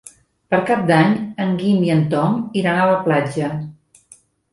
Per Cap d'Any en Guim i en Tom iran a la platja.